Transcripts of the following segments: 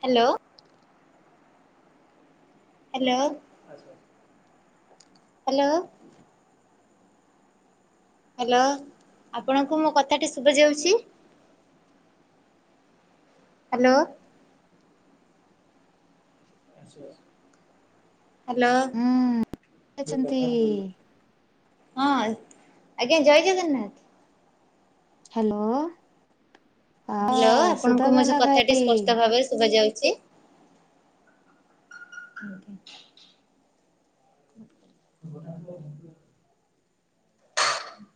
Hello? Hello. Hello? Hello, ଆପଣଙ୍କୁ ମୋ କଥାଟି ଶୁଭା ଯାଉଛି? ହ୍ୟାଲୋ? [inaudible] ହୁଁ-ଉଁ-ଉଁ-ଉଁ [inaudible] ଅଛନ୍ତି? ହଁ, ଆଜ୍ଞା ଜୟ ଜଗନ୍ନାଥ। ହ୍ୟାଲୋ। ହ୍ୟାଲୋ, ହଁ ଆପଣଙ୍କୁ ମୋ ଯୋ ଶୁଭାଗଲା କଥାଟି ଭାଇ। ସ୍ପଷ୍ଟ ଭାବରେ ଶୁଭାଯାଉଛି? ଆଜ୍ଞା।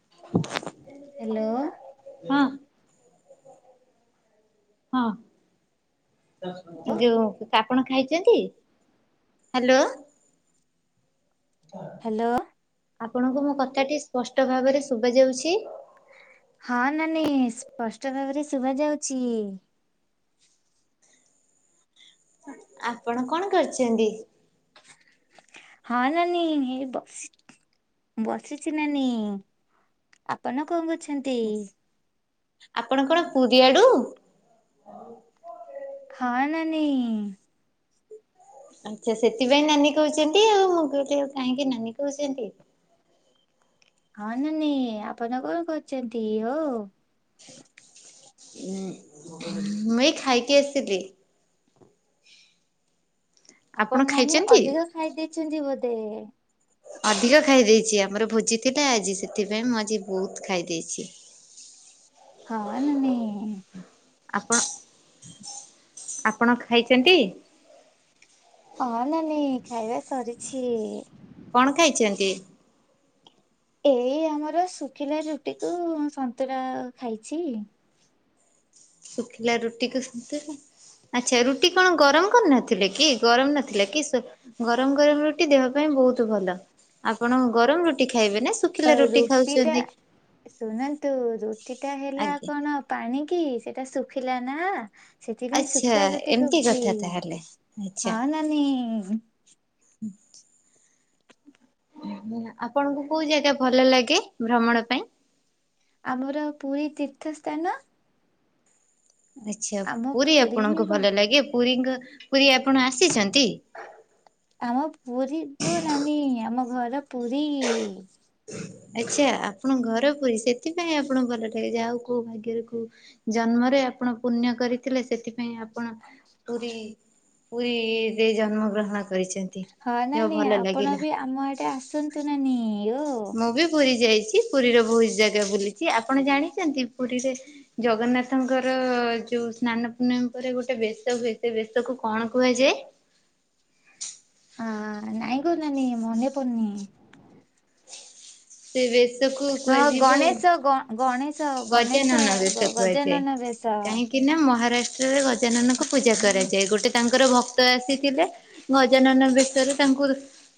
[inaudible] ହ୍ୟାଲୋ। ହଁ। ହଁ, ଯୋଉ ଆପଣ ଖାଇଛନ୍ତି? ହ୍ୟାଲୋ? ହ [inaudible] ହ୍ୟାଲୋ? ଆପଣଙ୍କୁ ମୋ କଥାଟି ସ୍ପଷ୍ଟ ଭାବରେ ଶୁଭା ଯାଉଛି? ହଁ ନାନୀ ସ୍ପଷ୍ଟ ଭାବରେ ଶୁଭା ଯାଉଛି। ଆପଣ କଣ କରିଛନ୍ତି? ହଁ ନାନୀ ଏ ବସି ବସିଛି ନାନୀ, ଆପଣ କଣ କରୁଛ ଆପଣ କଣ ପୁରୀ ଆଡୁ? ହଁ ନାନୀ। ଆଚ୍ଛା ସେଥିପାଇଁ ନାନୀ କହୁଛନ୍ତି ଆଉ, ମୁଁ କହିଲି ଆଉ କାହିଁକି ନାନୀ କହୁଛନ୍ତି? ହଁ ନାନୀ ଆପଣ କଣ କରୁଛନ୍ତି ହୋ? ମୁଁ ଏଇ ଖାଇକି ଆସିଲି। ଆପଣ ନାନୀ ଅଧିକ ଖାଇ ଦେଇଛନ୍ତି ବୋଧେ? ଅଧିକ ଖାଇ ଦେଇଛି ଆମର ଭୋଜି ଥିଲା ଆଜି ସେଥିପାଇଁ ମୁଁ ଆଜି ବହୁତ ଖାଇ ଦେଇଛି। [inaudible] ହଁ ନାନୀ। ଆପଣ, ଆପଣ ଖାଇଚନ୍ତି? ହଁ ନାନୀ, ଖାଇବା ସରିଛି। କଣ ଖାଇଛନ୍ତି? ଏଇ ଆମର ଶୁଖିଲା ରୁଟିକୁ ସନ୍ତୁଳା ଖାଇଛି। ଶୁଖିଲା ରୁଟିକୁ ସନ୍ତୁଳା। ଆଚ୍ଛା ରୁଟି କଣ ଗରମ କରିନଥିଲେ କି ଗରମ ନଥିଲା କି ଶୁ ଗରମ ଗରମ ରୁଟି ଦେହ ପାଇଁ ବହୁତ ଭଲ ଆପଣ ଗରମ ରୁ ଟି ଖାଇବେ ନା। ଅ ଶୁଖିଲା ରୁଟି ରୁଟିଟା ଖାଉଛନ୍ତି? ଶୁଣନ୍ତୁ ରୁଟିଟା ହେଲା ଆଜ୍ଞା କଣ ପାଣି କି ସେଟା ଶୁଖିଲା ନା। ସେଥିପାଇଁ ଆଚ୍ଛା ଶୁଖିଲା ରୁଟି ଏମିତି କହୁଛି କଥା ତାହେଲେ ହଁ ନାନୀ। ଆଚ୍ଛା। ଆପଣଙ୍କୁ କୋଉ ଜାଗା ଭଲ ଲାଗେ ଭ୍ରମଣ ପାଇଁ? ଆମର ପୁରୀ ତୀର୍ଥସ୍ଥାନ। ଆଚ୍ଛା ଆମ ପୁରୀ ହିଁ ଆପଣଙ୍କୁ ଭ- ଭଲ ଲାଗେ, ପୁରୀଙ୍କ ପୁରୀ ଆପଣ ଆସିଛନ୍ତି? ଆମ ପୁରୀ ଗୋ ନାନୀ ଆମ ଘର ପୁରୀ। ଆଚ୍ଛା ଆପଣଙ୍କ ଘର ପୁରୀ ସେଥିପାଇଁ ଆପଣ ଭଲରେ ଯାହା ହଉ କୋଉ ଭାଗ୍ୟରେ କୋଉ ଜନ୍ମରେ ଆପଣ ପୁଣ୍ୟ କରିଥିଲେ ସେଥିପାଇଁ ଆପଣ ପୁରୀ ପୁରୀରେ ଜନ୍ମ ଗ୍ରହଣ କରିଛନ୍ତି ହଁ ଯାହା ହଉ ନାନୀ ଭଲ ଆପଣ ଲାଗିଲା। ବି ଆମ ଆଡେ ଆସନ୍ତୁ ନାନୀ ଓ ମୁଁ ବି ପୁରୀ ଯାଇଛି ପୁରୀର ବହୁତ ଜାଗା ବୁଲିଛି ଆପଣ ଜାଣିଚନ୍ତି ପୁରୀରେ ଜଗନ୍ନାଥଙ୍କର ଯୋଉ ସ୍ନାନ ପୂର୍ଣ୍ଣିମା ପରେ ଗୋଟେ ବେଶ ହୁଏ ସେ ବେଶକୁ କଣ କୁହାଯାଏ? ଆଁ-ଆଁ ନାଇଁ ଗୋ ନାନୀ ମନେ ପଡୁନି। ସେ ବେଶକୁ ହଁ କୁହାଯିବ ଗଣେଶ ଗଣେ ଗଣେଶ ଗଣେଶ ଗଜାନନ ଗ ଗଜାନନ ବେଶ୍ ଶ। କି ନା ମହାରାଷ୍ଟ୍ରରେ ଗଜାନନଙ୍କୁ ପୂଜା କରେ। ସେ ଗୋଟେ ତାଙ୍କର ଭକ୍ତ ଆସିଥିଲେ ଗଜାନନ ବେଶରେ ତାଙ୍କୁ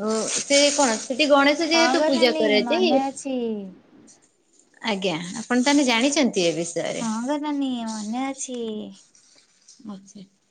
ଓ ସେ କଣ ସେଠି ଗଣେଶ ହଁ ଯେହେତୁ ଗ ପୂଜା ନାନୀ କରା ମନେ ଅଛି। ଆଜ୍ଞା, ଆପଣ ତାହେଲେ ଜାଣିଛନ୍ତି ଏବେ? ହଁ ଗୋ ନାନୀ ମନେ ଅଛି। [unintelligible]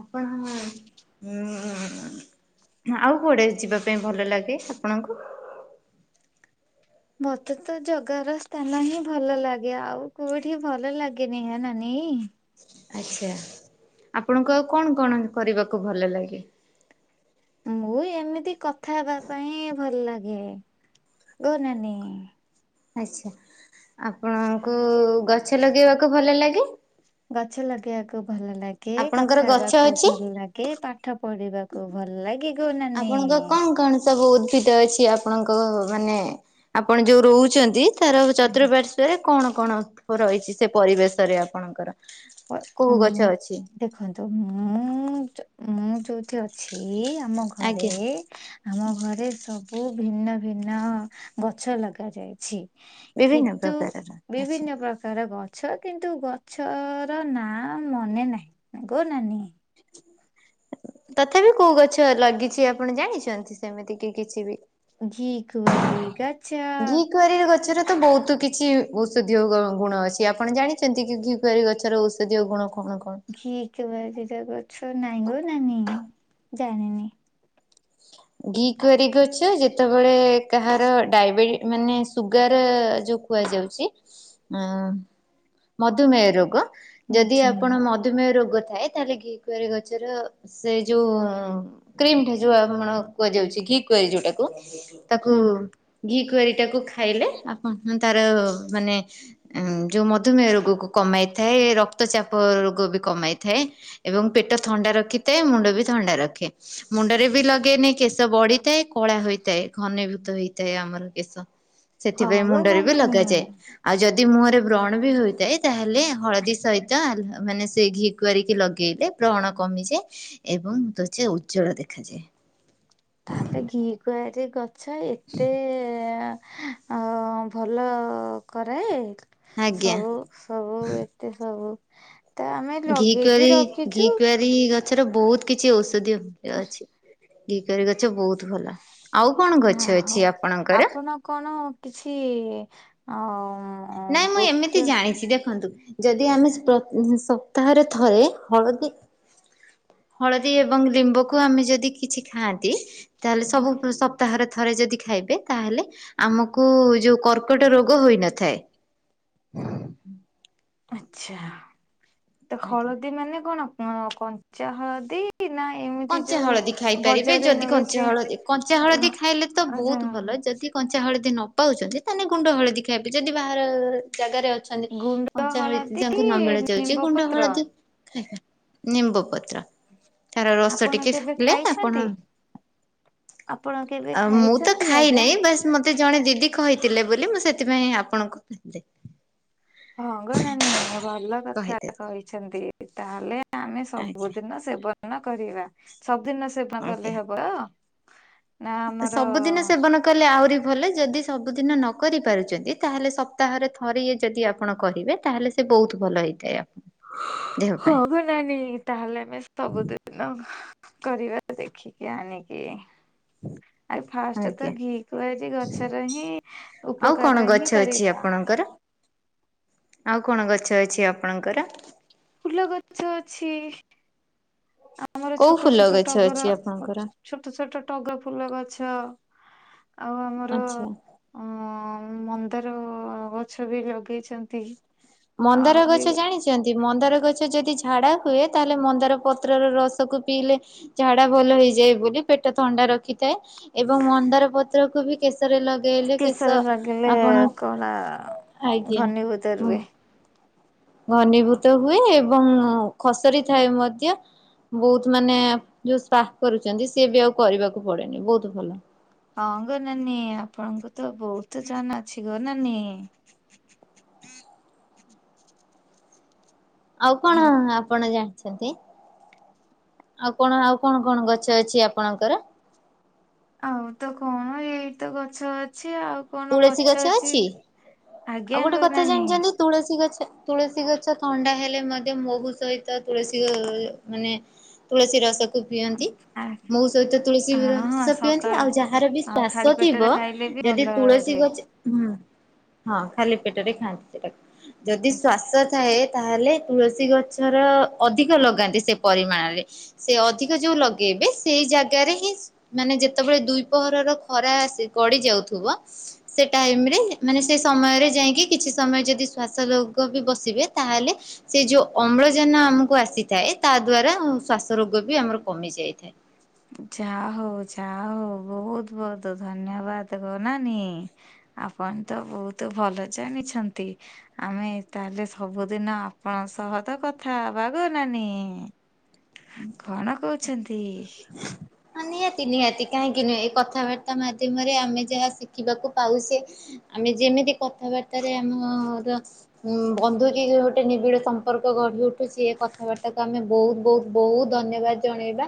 ଆପଣ ଉଁ-ଉଁ-ଉଁ ଆଉ କୁଆଡେ ଯିବା ପାଇଁ ଭଲ ଲାଗେ ଆପଣଙ୍କୁ? ମତେ ତ ଜଗାର ସ୍ଥାନ ହିଁ ଭଲ ଲାଗେ ଆଉ କୋଉଠି ଭଲ ଲାଗେନି ହୋ ନାନୀ। ଆଚ୍ଛା, ଆପଣଙ୍କୁ ଆଉ କଣ କଣ କରିବାକୁ ଭଲ ଲାଗେ? ମୁଁ ଏମିତି କଥା ହେବା ପାଇଁ ଭଲ ଲାଗେ, ଗୋ ନାନୀ। ଆଚ୍ଛା, ଆପଣଙ୍କୁ ଗଛ ଲଗେଇବାକୁ ଭଲ ଲାଗେ? ଗଛ ଲଗେଇବାକୁ ଭଲ ଲାଗେ, ଆପଣଙ୍କର କଥା ଗଛ ହେବାକୁ ଅଛି? ଭଲ ଲାଗେ। କେ ପାଠ ପଢିବାକୁ ଭଲ ଲାଗେ ଗୋ ନାନୀ। ଆପଣଙ୍କ କଣ କଣ ସବୁ ଉଦ୍ଭିଦ ଅଛି ଆପଣଙ୍କ ମାନେ ଆପଣ ଯୋଉ ରହୁଛନ୍ତି ତାର ଚତୁଃପାର୍ଶ୍ ରେ କଣ କଣ ରହିଛି ସେ ପରିବେଶରେ ଆପଣଙ୍କର? ଅ କୋଉ ଉଁ ଗଛ ଅଛି ଦେଖନ୍ତୁ ମୁଁ, ମୁଁ ଯୋଉଥି ଅଛି ଆମ ଘରେ ଆଜ୍ଞା ଆମ ଘରେ ସବୁ ଭିନ୍ନ ଭିନ୍ନ ଗଛ ଲଗା ଯାଇଛି। ବିଭିନ୍ନ କିତୁ ପ୍ରକାରର ଆଚ୍ଛା। ବିଭିନ୍ନ ପ୍ରକାର ଗ ଛ କିନ୍ତୁ ଗଛର ନାଁଆ ମନେ ନାହିଁ, ଆଗୋ ନାନୀ। ତଥା ବି କୋଉ ଗଛ ଲାଗିଛି ଆପଣ ଜାଣିଛନ୍ତି ସେମିତି କି କିଛି ବି? ଘି କୁଆଁରୀ ଗଛ। କୁଆରୀ ର ଗଛର ତ ବହୁତ କିଛି ଔଷଧୀୟ ଗୁ ଗୁଣ ଅଛି ଆପଣ ଜାଣିଛନ୍ତି କି? କୁଆଁରୀ ଗଛର ଔଷଧୀୟ ଗୁଣ କଣ କଣ? ଘିକୁଆଁରୀ ର ଗଛ ନାଇଁ ଗୋ ନାନି ଜାଣିନି। ଘିକୁଆଁରି ଗଛ ଯେତେବେଳେ କାହାର ଡାଇବେଟି ମାନେ ସୁଗାର ଯଉ କୁହାଯାଉଚି ଏଁ ମଧୁମେୟ ରୋଗ ଯଦି ଆଚ୍ଛା ଆପଣ ମଧୁ ହଁ ମଧୁମେୟ ରୋଗ ଥାଏ ତାହେଲେ ଘି କୁଆରି ଗଛର ସେ ଯୋଉ କ୍ରିମ ଟା ଯୋଉ ଆମ ର କୁହାଯାଉଛି ଘି କୁଆରି ଯୋଉଟାକୁ ତାକୁ ଘି କୁଆରୀ ଟାକୁ ଖାଇଲେ ଆପଣ ତାର ମାନେ ଯୋଉ ମଧୁମେୟ ରୋଗକୁ କମେଇଥାଏ, ରକ୍ତଚାପ ରୋଗ ବି କମେଇଥାଏ। ଏବଂ ପେଟ ଥଣ୍ଡା ରଖିଥାଏ ମୁଣ୍ଡ ବି ଥଣ୍ଡା ରଖେ ମୁଣ୍ଡରେ ବି ଲଗେଇଲେ। କେଶ ବଢିଥାଏ କଳା ହୋଇଥାଏ ଘନୀଭୂତ ହେଇଥାଏ ଆମର କେଶ। ହଁ ସେଥିପାଇଁ ଗୋ ମୁଣ୍ଡରେ ବି ନାନୀ ଲଗାଯାଏ। ଆଉ ଯଦି ମୁହଁରେ ବ୍ରଣ ବି ହୋଇଥାଏ ତାହେଲେ ହଳଦୀ ସହିତ ଆଲ ମାନେ ସେ ଘିକୁଆଁରିକି ଲଗେଇଲେ ବ୍ରଣ କମିଯାଏ ଏବଂ ତ୍ୱଚା ଉଜ୍ଜ୍ୱଳ ଦେଖାଯାଏ। ତାହେଲେ ଘିକୁଆଁରୀ ଗଛ ଏତେ ଅ ଭଲ କରାଏ ଆଜ୍ଞା ସବୁ ସବୁ ଏତେ ସବୁ ତ ଆମେ ଲଗେଇକି ରଖିଛୁ। ବି ଗଛର ବହୁତ କିଛି ଔଷଧୀୟ [unintelligible] ଅଛି। ଘିକୁଆଁରୀ ଗଛ ବହୁତ ଭଲ। ଆଉ କଣ ଯାହା ଗଛ ହଉ ଅଛି ଆପଣଙ୍କର? ଆପଣ କଣ କିଛି ଅ ନାଇଁ ମୁଁ ଏମିତି ବୃକ୍ଷ ଜାଣିଛି ଦେଖନ୍ତୁ ଯଦି ଆମେ ସପ୍ତାହରେ ଥରେ ହଳଦୀ ହଳଦୀ ଏବଂ ଲିମ୍ବକୁ ଆମେ ଯଦି କିଛି ଖାଆନ୍ତି ତାହେଲେ ସବୁ ସ ପ୍ତାହରେ ଥରେ ଯଦି ଖାଇବେ ତାହେଲେ ଆମକୁ ଯୋଉ କର୍କଟ ରୋଗ ହୋଇନଥାଏ। ଆଛା ତ ଆଜ୍ଞା। ହଳଦୀ ମାନେ କଣ କ କଞ୍ଚା ହଳଦୀ। ନା ଏମିତି କଞ୍ଚା ଯୋଉ ହଳଦୀ ଖାଇପାରିବେ ବଜାରରେ ଯଦି ମିଳୁଛି କଞ୍ଚା ହଳଦୀ କଞ୍ଚା ହଳଦୀ ଖାଇଲେ ତ ଆଚ୍ଛା ବହୁତ ଭଲ ଯଦି କଞ୍ଚା ହଳଦୀ ନ ପାଉଛନ୍ତି ତାହେଲେ ଗୁଣ୍ଡ ହଳଦୀ ଖାଇବେ ଯଦି ବାହାର ଜାଗାରେ ଅ ଛନ୍ତି କଞ୍ଚା ହଳଦୀ ଯଦି ନ ମିିଳିଯାଉଛି ନିମ୍ବ ଗୁଣ୍ଡ ପତ୍ର ହଳଦୀ [inaudible] ନିମ୍ବ ପତ୍ର। ତାର ରସ ଆପଣ ଟିକେ କେବେ ଖାଇଲେ ଖାଇଛନ୍ତି? ଆପଣ ଆପଣ ଆ କେବେ ମୁଁ ତ ଖାଇଛନ୍ତି ଆଜ୍ଞା? ଖାଇନାହିଁ ବାସ୍ ମତେ ଜଣେ ଦିଦି କହିଥିଲେ ବୋଲି ମୁଁ ସେଥିପାଇଁ ଆପଣଙ୍କୁ ହଁ ଗୋ ନାନୀ ଭଲ କଥା କହିଦେଲି କହିଛନ୍ତି ତାହେଲେ ଆମେ ଆଜ୍ଞା ସବୁଦିନ ସେବନ କରିବା ସବୁଦିନ ସେବନ ଆଜ୍ଞା। କଲେ ହବ। ନା ଆମର ସବୁଦିନ ସେବନ କଲେ ଆହୁରି ଭଲ ଯଦି ସବୁଦିନ ନ କରିପାରୁଛନ୍ତି ତା ହେଲେ ସପ୍ତାହରେ ଥରେ ଏକଯଦି ଆପଣ କରିବେ। ତାହେଲେ ସେ ବହୁତ ଭଲ ହେଇଥାଏ ଆପଣ ଦେହ ପାଇଁ ହଗୋ ନାନି ତାହେଲେ ଆମେ ସବୁଦିନ କରିବା ଦେଖିକି ଆଣିକି। ହୁଁ [inaudible] ଆଉ ଫାଷ୍ଟ ତ ଘିକୁଆଁରୀ ଗଛର ହିଁ ଆଉ କଣ ଉପକାର ଗଛ ହିଁ ଅଛି କରିବା। ଆପଣଙ୍କର? ଆଉ କଣ ଗଛ ଅଛି ଆପଣଙ୍କର? ଫୁଲ ଗଛ ଅଛି ଆମର କୋଉ ଛୋଟ ଫୁଲ ଛୋଟ ଗଛ ଟଗର ଅଛି ଆପଣଙ୍କର? ଛୋଟ ଛୋଟ ଟଗା ଫୁଲ ଗଛ ଆଉ ଆମର ଆଚ୍ଛା। ଅ ମନ୍ଦାର ଗଛ ବି ଲଗେଇଛନ୍ତି। ଆଉ ମନ୍ଦାର ବି ଗଛ ଜାଣିଛନ୍ତି ମନ୍ଦାର ଗଛ ଯଦି ଝାଡ଼ା ହୁଏ ତାହେଲେ ମନ୍ଦାର ପତ୍ରର ରସକୁ ପିଇଲେ ଝାଡା ଭଲ ହେଇଯାଏ ବୋଲି ପେଟ ଥଣ୍ଡା ରଖିଥାଏ। ଏବଂ ମନ୍ଦାର ପତ୍ରକୁ ବି କେଶରେ ଲଗ ପେଇଲେ କେଶର କେଶ ଲଗେଇଲେ ଆପଣ କଳା ଆଜ୍ଞା ଘନୀଭୂତ ହୁଁ। ରୁହେ। ଘନୀଭୂତ ହୁଏ ଏବଂ ଖସରି ଥାଏ ମଧ୍ୟ। ବହୁତ ମାନେ ଯୋଉ ସ୍ପା କରୁଛନ୍ତି ସିଏ ବି ଆଉ କରିବାକୁ ପଡେନି ବହୁତ ଭଲ। ହଁ ଗୋ ନାନୀ ଆପଣଙ୍କୁ ତ ବହୁତ ଜଣା ଅଛି ଗୋ ନାନୀ ଆଉ କଣ ନା? ଆପଣ ଜାଣିଛନ୍ତି ଆଉ କଣ ଆଉ କଣ କଣ ଗଛ ଅଛି ଆପଣଙ୍କର? ଆଉ ତ କଣ ଏଇ ତ ଗଛ ଅଛି ଆଉ। କଣ ଗଛ ଅଛି ଆଉ ଆଜ୍ଞା ଗୋଟେ ଗୋ କଥା ନାନି। ଜାଣିଛନ୍ତି ତୁଳସୀ ଗଛ ତୁଳସୀ ଗଛ ଥଣ୍ଡା ହେଲେ ମଧ୍ୟ ମହୁ ସହିତ ତୁଳସୀ ଗ ମାନେ ତୁଳସୀ ରସକୁ ପିଅନ୍ତି ମହୁ ସହିତ ତୁଳସୀ ହଁ ହଁ ରସ ପିଅନ୍ତି ସକାଳେ ଆଉ ଯାହାର ବି ଖାଲି ଶ୍ୱାସ ପେଟରେ ଥିବ ଖାଇଲେ ବି ଯଦି ଭଲ ତୁଳସୀ ରୁହେ ଗଛ ହୁଁ ହଁ, ଖାଲି ପେଟରେ ଖାଆନ୍ତି ସେଟାକୁ ଯଦି ଆଜ୍ଞା। ଶ୍ଵାସ ଥାଏ ତାହେଲେ ତୁଳସୀ ଗଛର ଅଧିକ ଲଗାନ୍ତି ସେ ପରିମାଣରେ। ସେ ଅଧିକ ଯୋଉ ଲଗେଇବେ ସେଇ ଜାଗାରେ ହିଁ ମାନେ ଯେତେବେଳେ ଦୁଇ ପହରର ଖରା ଆସି ଗଡି ଯାଉଥିବ ସେ ଟାଇମରେ ମାନେ ସେ ସମୟରେ ଯାଇକି କିଛି ସମୟ ଯଦି ଶ୍ୱାସ ଲୋଗ ବି ବସିବେ ତାହେଲେ ସେ ଯୋଉ ଅମ୍ଳଜାନ ଆମକୁ ଆସିଥାଏ ତା ଦ୍ଵାରା ଶ୍ଵାସ ରୋଗ ବି ଆମର କମି ଯାଇଥାଏ। ଯା ହଉ ଯା ହଉ ବହୁତ ବହୁତ ଧନ୍ୟବାଦ ଗୋ ନାନି। ଆପଣ ତ ବହୁତ ଭଲ ଜାଣିଛନ୍ତି। ଆମେ ତାହେଲେ ସବୁଦିନ ଆପଣଙ୍କ ସହ ତ କଥା ହବା ଗୋ ନାନି। [inaudible] କଣ କହୁଛନ୍ତି? ହଁ ନିହାତି ନିହାତି କାହିଁକି ନୁହେଁ ଏ କଥାବାର୍ତ୍ତା ମାଧ୍ୟମରେ ଆମେ ଯାହା ଶିଖିବାକୁ ପାଉଛେ ଆମେ ଯେମିତି କଥାବାର୍ତ୍ତାରେ ଆମର ବନ୍ଧୁ କି ଗୋଟେ ନିବିଡ ସମ୍ପର୍କ ଗଢି ଉଠୁ ସିଏ କଥାବାର୍ତ୍ତାକୁ ଆମେ ବହୁତ ବହୁତ ବହୁତ ଧନ୍ୟବାଦ ଜଣେଇବା।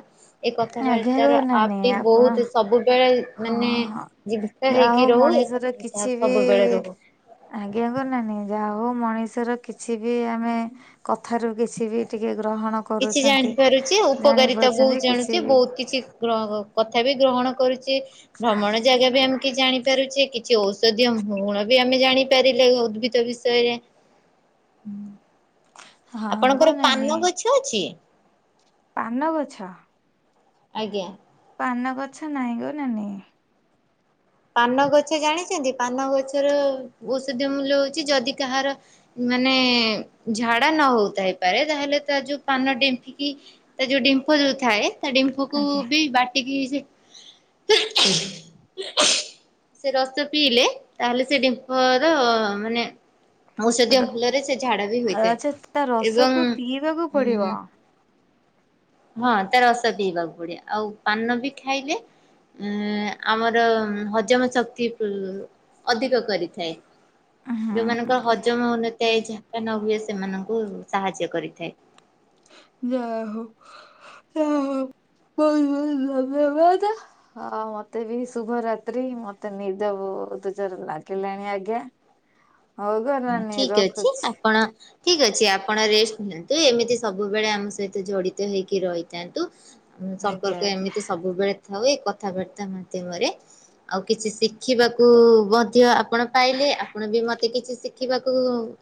ଏ ଆଜ୍ଞା ଗୋ କଥାବାର୍ତ୍ତାର ଆପ୍ ନାନୀ ଟି ଆପଣ ବହୁତ ସବୁବେଳେ ହଁ ମାନେ ହଁ ଜୀବିତ ଯାହା ହେଇକି ହଉ ରହୁ ଏ ମଣିଷର କଥାବାର୍ତ୍ତା କିଛି ବି ସବୁବେଳେ ରହୁ। ଆଜ୍ଞା ଗୋ ନାନି ଯାହା ହଉ ମଣିଷର କିଛି ବି ଆମେ କଥାରୁ କିଛି ବି ଟିକେ ଗ୍ରହଣ କିଛି କରୁଛନ୍ତି ଜାଣିପାରୁଛି ଜାଣି ଉପକାରିତା ବହୁତ ପାରୁଛନ୍ତି ଜାଣୁଛି କିଛି ବି ବହୁତ କିଛି କଥା ବି ଗ୍ରହଣ କରୁଛି ଭ୍ରମଣ ଆଜ୍ଞା ଗୋ ଜାଗା ବି ନାନୀ। ଆମେ କି ଜାଣି ପାରୁଛେ କିଛି ଔଷଧୀୟ ଗୁଣ ବି ଆମେ ଜାଣିପାରିଲେ ଉଦ୍ଭିଦ ବିଷୟରେ ହଁ ଗୋ ଆପଣଙ୍କର ନାନୀ ପାନ ଗଛ ଅଛି? ପାନ ଗଛ। ଆଜ୍ଞା। ପାନ ଗଛ ନାଇଁ ଗୋ ନାନି। ପାନ ଗଛ ଜାଣିଛନ୍ତି ପାନ ଗଛର ଔଷଧ ମୂଲ୍ୟ ହଉଛି ଯଦି କାହାର ମାନେ ଝାଡା ନ ହଉ ଥାଇପାରେ ତାହେଲେ ତା ଯୋଉ ପାନ ଡେମ୍ପିକି ତା ଯୋଉ ଡିମ୍ଫ ଯୋଉ ଥାଏ ତା ଡିମ୍ଫକୁ ଆଜ୍ଞା। ବି ବାଟିକି ସେ ରସ ପିଇଲେ ତାହେଲେ ସେ ଡେମ୍ପର ମାନେ ର ଔଷଧୀୟ ଫୁଲରେ ସେ ଝାଡ଼ା ବି ଆଚ୍ଛା ତା ହୋଇଥାଏ ଏବଂ ରସକୁ ପିଇବାକୁ ପଡିବ ଉ ହଁ ତା ରସ ପିଇବାକୁ ପଡିବ ଆଉ ପାନ ବି ଖାଇଲେ। ଉ ଆମର ହଜମ ଶକ୍ତି ଅଧିକ କରିଥାଏ। ହୁଁ। ଯୋଉମାନଙ୍କର ହଜମ ହଉନଥାଏ ଝାଡ଼ା ନ ହୁଏ ସେମାନଙ୍କୁ ସାହାଯ୍ୟ କରିଥାଏ। ଯାହାହଉ [unintelligible] ହଁ ମତେ ବି ଶୁଭରାତ୍ରି ମତେ ନିଦ ବହୁତ ଜୋରରେ ଲାଗିଲାଣି ଆଜ୍ଞା। ହଉ ଗୋ ନାନୀ ଠିକ ଅଛି ରଖୁଛି। ଆପଣ ଠିକ ଅଛି ଆପଣ ରେଷ୍ଟ ନିଅନ୍ତୁ ଏମିତି ସବୁବେଳେ ଆମ ସହିତ ଜଡିତ ହେଇକି ରହିଥାନ୍ତୁ। ଆମ ଆଜ୍ଞା ସମ୍ପର୍କ ଆଜ୍ଞା ଏମିତି ସବୁବେଳେ ଥାଉ କଥାବାର୍ତ୍ତା ମାଧ୍ୟମରେ ଆଉ କିଛି ଶିଖିବାକୁ ମଧ୍ୟ ଆପଣ ପାଇଲେ ଆପଣ ବି ମତେ କିଛି ଶିଖିବାକୁ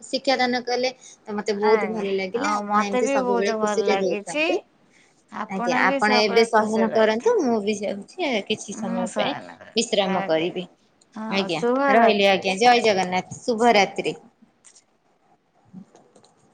ଶିକ୍ଷାଦାନ କଲେ। ତ ମତେ ବହୁତ ଭଲ ଆଜ୍ଞା ଲାଗିଲା ଆଉ ଆପଣ ମତେ ଏମିତି ବି ବହୁତ ସବୁବେଳେ ଭଲ ଖୁସିରେ ଲାଗିଛି। ରହୁଥାନ୍ତୁ। ଆଜ୍ଞା ବି ଆପଣ ଏବେ ସବୁବେଳେ ଖୁସି ସୟନ କରନ୍ତୁ ମୁଁ ରହିଥାନ୍ତୁ ବି ଯାଉଛି କିଛି ମୁଁ ସମୟ ପାଇଁ ଶୟନ କରେ। ବିଶ୍ରାମ ଆଜ୍ଞା କରିବି। ହଁ ଆଜ୍ଞା ରହିଲି ଶୁଭରାତ୍ରି ଆଜ୍ଞା ଜୟ ଶୁଭରାତ୍ରି ଜଗନ୍ନାଥ ଜୟ ଶୁଭରାତ୍ରି। ଜଗନ୍ନାଥ।